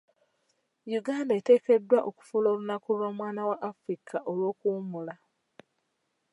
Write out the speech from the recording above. Uganda eteekeddwa okufuula olunaku lw'omwana wa Afrika olw'okuwummula.